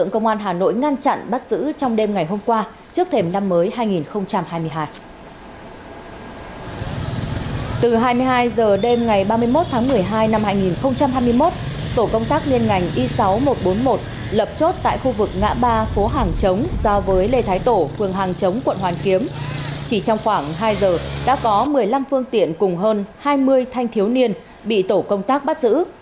chỉ trong khoảng hai giờ đã có một mươi năm phương tiện cùng hơn hai mươi thanh thiếu niên bị tổ công tác bắt giữ